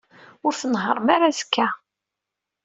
Ur tnehhṛem ara azekka.